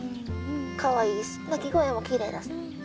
かわいいし鳴き声もきれいだし。